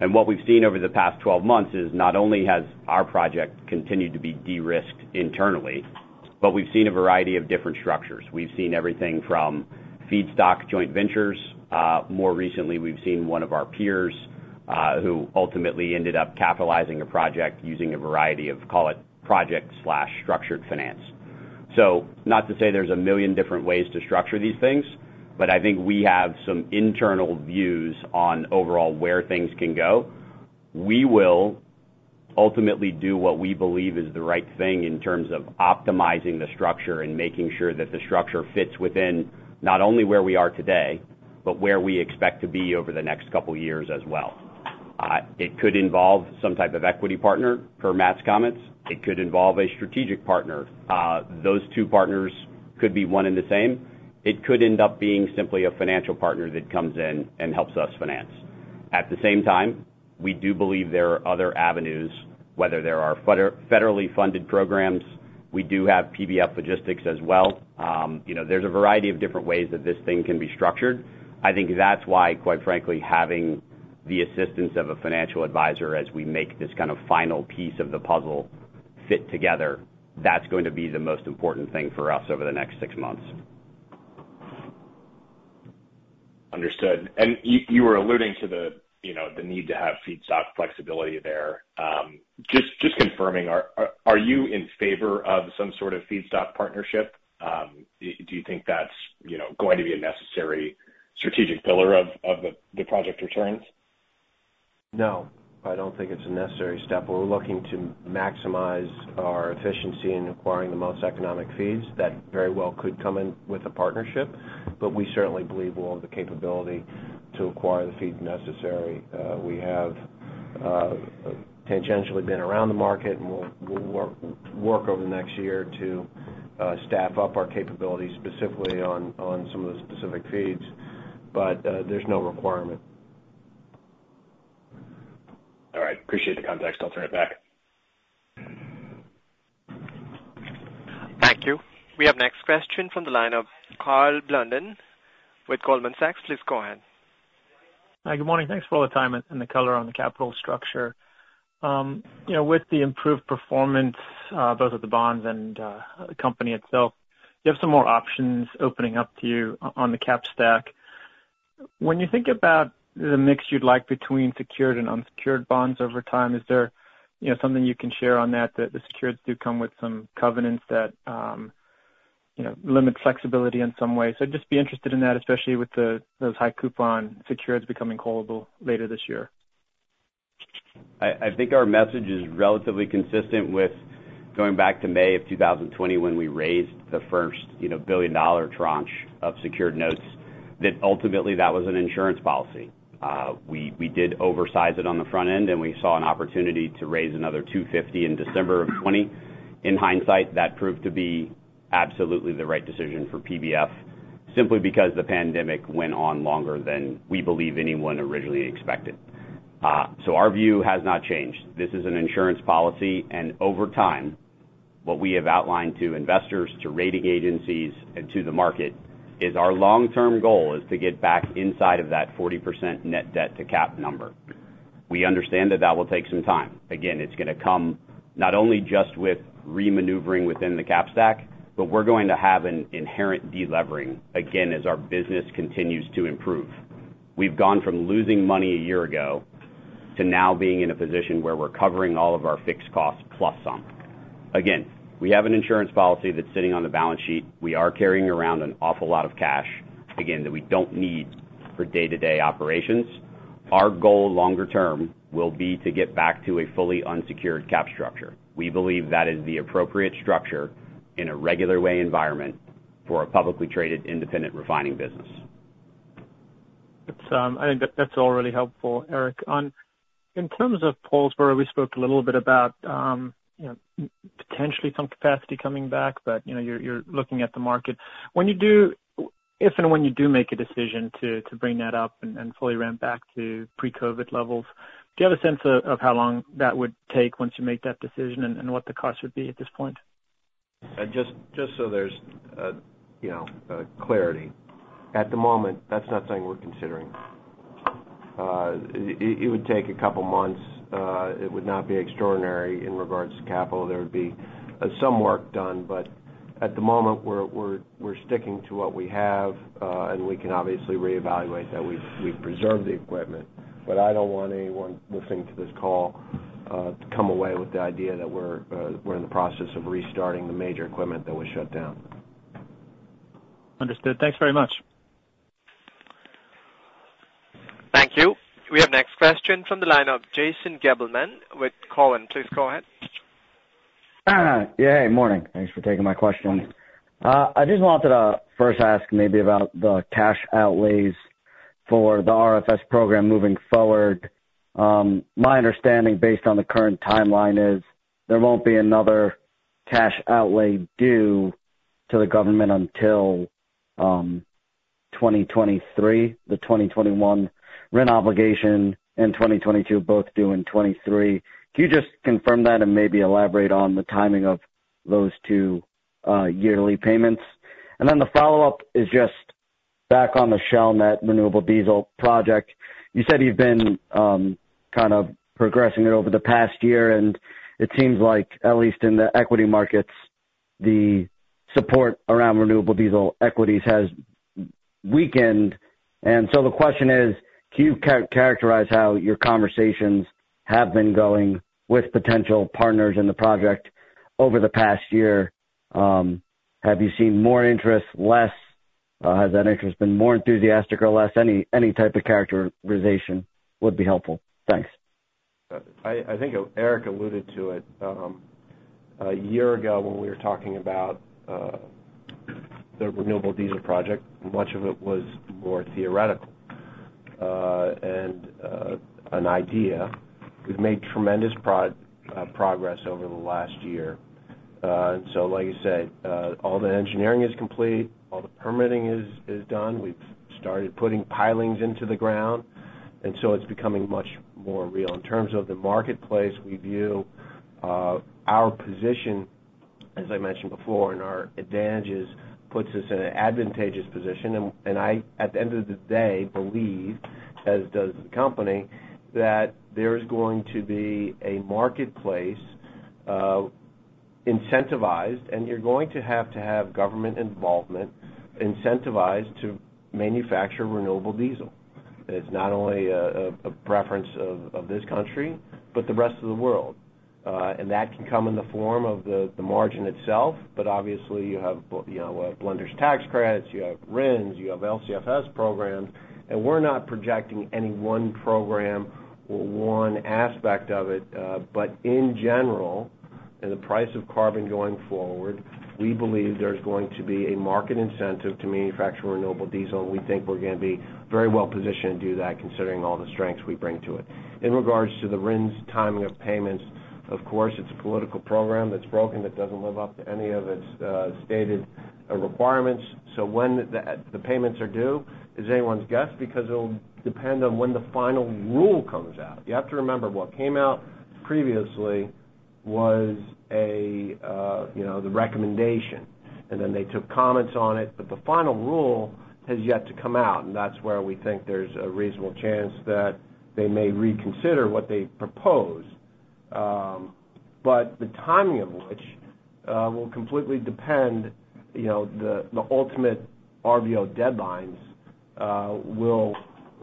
What we've seen over the past 12 months is not only has our project continued to be de-risked internally, but we've seen a variety of different structures. We've seen everything from feedstock joint ventures. More recently, we've seen one of our peers, who ultimately ended up capitalizing a project using a variety of, call it, project/structured finance. Not to say there's a million different ways to structure these things, but I think we have some internal views on overall where things can go. We will ultimately do what we believe is the right thing in terms of optimizing the structure and making sure that the structure fits within not only where we are today, but where we expect to be over the next couple years as well. It could involve some type of equity partner, per Matt's comments. It could involve a strategic partner. Those two partners could be one and the same. It could end up being simply a financial partner that comes in and helps us finance. At the same time, we do believe there are other avenues, whether there are federally funded programs. We do have PBF Logistics as well. There's a variety of different ways that this thing can be structured. I think that's why, quite frankly, having the assistance of a financial advisor as we make this kind of final piece of the puzzle fit together, that's going to be the most important thing for us over the next six months. Understood. You were alluding to the need to have feedstock flexibility there. Just confirming, are you in favor of some sort of feedstock partnership? Do you think that's going to be a necessary strategic pillar of the project returns? No, I don't think it's a necessary step. We're looking to maximize our efficiency in acquiring the most economic feeds. That very well could come in with a partnership, but we certainly believe we'll have the capability to acquire the feed necessary. We have tangentially been around the market, and we'll work over the next year to staff up our capabilities, specifically on some of the specific feeds, but there's no requirement. All right. Appreciate the context. I'll turn it back. Thank you. We have next question from the line of Karl Blunden with Goldman Sachs. Please go ahead. Hi, good morning. Thanks for all the time and the color on the capital structure. With the improved performance, both of the bonds and the company itself, you have some more options opening up to you on the cap stack. When you think about the mix you'd like between secured and unsecured bonds over time, is there something you can share on that the secured notes do come with some covenants that, you know, limit flexibility in some way? I'd just be interested in that, especially with those high coupon secured notes becoming callable later this year. I think our message is relatively consistent with going back to May of 2020 when we raised the first, you know, $1 billion tranche of secured notes, that ultimately was an insurance policy. We did oversize it on the front end, and we saw an opportunity to raise another $250 million in December of 2020. In hindsight, that proved to be absolutely the right decision for PBF, simply because the pandemic went on longer than we believe anyone originally expected. Our view has not changed. This is an insurance policy, and over time, what we have outlined to investors, to rating agencies, and to the market is our long-term goal is to get back inside of that 40% net debt to cap number. We understand that will take some time. Again, it's gonna come not only just with re-maneuvering within the cap stack, but we're going to have an inherent de-levering, again, as our business continues to improve. We've gone from losing money a year ago to now being in a position where we're covering all of our fixed costs plus some. Again, we have an insurance policy that's sitting on the balance sheet. We are carrying around an awful lot of cash, again, that we don't need for day-to-day operations. Our goal longer term will be to get back to a fully unsecured cap structure. We believe that is the appropriate structure in a regular way environment for a publicly traded independent refining business. That's, I think that's all really helpful, Erik. In terms of Paulsboro, we spoke a little bit about potentially some capacity coming back, but, you know, you're looking at the market. If and when you do make a decision to bring that up and fully ramp back to pre-COVID levels, do you have a sense of how long that would take once you make that decision and what the cost would be at this point? Just so there's, you know, clarity. At the moment, that's not something we're considering. It would take a couple months. It would not be extraordinary in regards to capital. There would be some work done, but at the moment, we're sticking to what we have, and we can obviously reevaluate that. We've preserved the equipment, but I don't want anyone listening to this call to come away with the idea that we're in the process of restarting the major equipment that was shut down. Understood. Thanks very much. Thank you. We have next question from the line of Jason Gabelman with Cowen. Please go ahead. Yeah, morning. Thanks for taking my question. I just wanted to first ask maybe about the cash outlays for the RFS program moving forward. My understanding based on the current timeline is there won't be another cash outlay due to the government until 2023. The 2021 RVO obligation and 2022 both due in 2023. Can you just confirm that and maybe elaborate on the timing of those two yearly payments. Then the follow-up is just back on the Chalmette Renewable Diesel Project. You said you've been kind of progressing it over the past year, and it seems like at least in the equity markets, the support around renewable diesel equities has weakened. The question is: Can you characterize how your conversations have been going with potential partners in the project over the past year? Have you seen more interest, less? Has that interest been more enthusiastic or less? Any type of characterization would be helpful. Thanks. I think Erik alluded to it a year ago when we were talking about the renewable diesel project, much of it was more theoretical and an idea. We've made tremendous progress over the last year. Like you said, all the engineering is complete, all the permitting is done. We've started putting pilings into the ground, and so it's becoming much more real. In terms of the marketplace, we view our position, as I mentioned before, and our advantages puts us in an advantageous position. I at the end of the day believe, as does the company, that there's going to be a marketplace incentivized, and you're going to have to have government involvement incentivized to manufacture renewable diesel. It's not only a preference of this country, but the rest of the world. That can come in the form of the margin itself, but obviously, you have Blenders Tax Credits, you have RINs, you have LCFS programs. We're not projecting any one program or one aspect of it. In general, the price of carbon going forward, we believe there's going to be a market incentive to manufacture renewable diesel. We think we're gonna be very well positioned to do that considering all the strengths we bring to it. In regards to the RINs timing of payments, of course, it's a political program that's broken, that doesn't live up to any of its stated requirements. When the payments are due is anyone's guess because it'll depend on when the final rule comes out. You have to remember, what came out previously was the recommendation, and then they took comments on it. The final rule has yet to come out, and that's where we think there's a reasonable chance that they may reconsider what they propose. The timing of which will completely depend, you know, the ultimate RVO deadlines will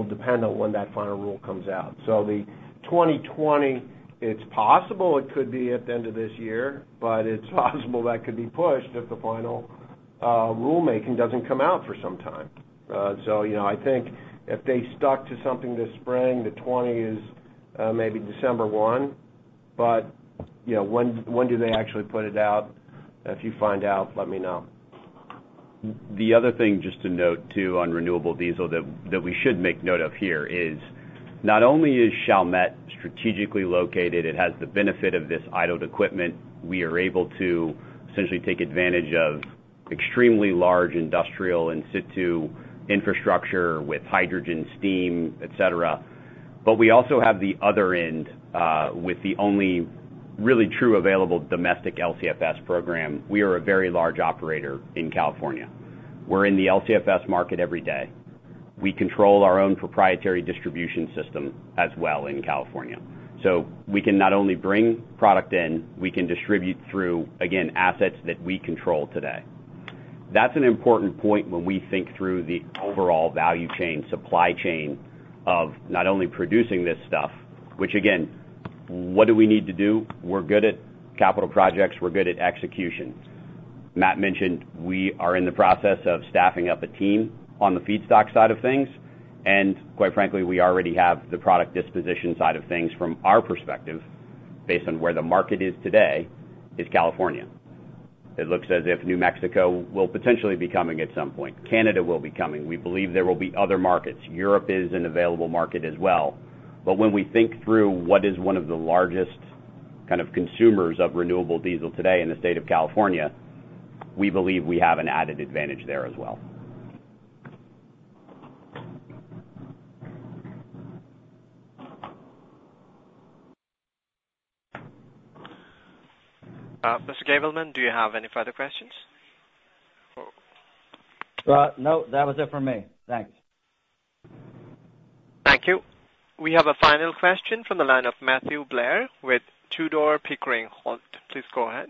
depend on when that final rule comes out. 2020, it's possible it could be at the end of this year, but it's possible that could be pushed if the final rulemaking doesn't come out for some time. I think if they stuck to something this spring, the 2020 is maybe December 1. You know, when do they actually put it out? If you find out, let me know. The other thing just to note, too, on renewable diesel that we should make note of here is not only is Chalmette strategically located, it has the benefit of this idled equipment, we are able to essentially take advantage of extremely large industrial in situ infrastructure with hydrogen steam, et cetera. We also have the other end, with the only really true available domestic LCFS program. We are a very large operator in California. We're in the LCFS market every day. We control our own proprietary distribution system as well in California. We can not only bring product in, we can distribute through, again, assets that we control today. That's an important point when we think through the overall value chain, supply chain of not only producing this stuff, which again, what do we need to do? We're good at capital projects. We're good at execution. Matt mentioned we are in the process of staffing up a team on the feedstock side of things. Quite frankly, we already have the product disposition side of things from our perspective, based on where the market is today, is California. It looks as if New Mexico will potentially be coming at some point. Canada will be coming. We believe there will be other markets. Europe is an available market as well. When we think through what is one of the largest kind of consumers of renewable diesel today in the state of California, we believe we have an added advantage there as well. Mr. Gabelman, do you have any further questions? No, that was it for me. Thanks. Thank you. We have a final question from the line of Matthew Blair with Tudor, Pickering, Holt. Please go ahead.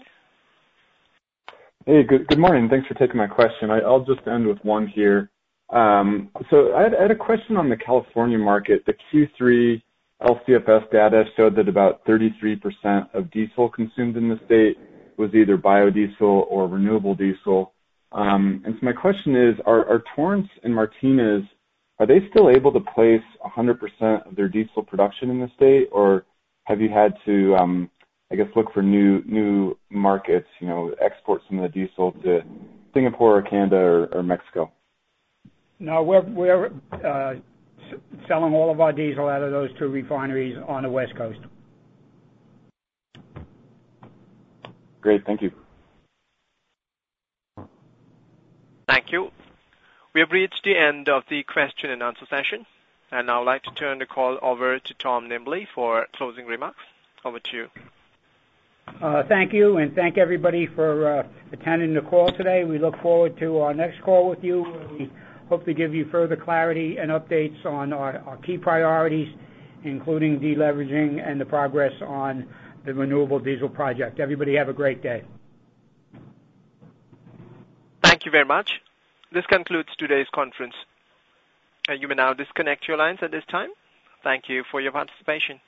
Hey, good morning. Thanks for taking my question. I'll just end with one here. So I had a question on the California market. The Q3 LCFS data showed that about 33% of diesel consumed in the state was either biodiesel or renewable diesel. My question is: Are Torrance and Martinez still able to place 100% of their diesel production in the state? Or have you had to, I guess, look for new markets, you know, export some of the diesel to Singapore or Canada or Mexico? No, we're selling all of our diesel out of those two refineries on the West Coast. Great. Thank you. Thank you. We have reached the end of the question and answer session, and I would like to turn the call over to Tom Nimbley for closing remarks. Over to you. Thank you, and thank everybody for attending the call today. We look forward to our next call with you, where we hope to give you further clarity and updates on our key priorities, including de-leveraging and the progress on the renewable diesel project. Everybody have a great day. Thank you very much. This concludes today's conference. You may now disconnect your lines at this time. Thank you for your participation.